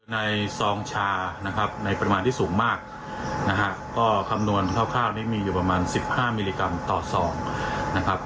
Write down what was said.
ซองชานะครับในปริมาณที่สูงมากนะฮะก็คำนวณคร่าวนี้มีอยู่ประมาณ๑๕มิลลิกรัมต่อซองนะครับ